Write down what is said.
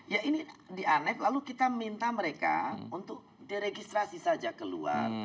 ya ini dianef lalu kita minta mereka untuk diregistrasi saja keluar